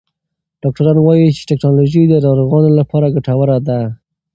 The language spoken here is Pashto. ډاکټران وایې چې ټکنالوژي د ناروغانو لپاره ګټوره ده.